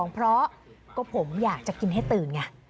เพราะก็ผมอยากจะกินให้ตื่นไง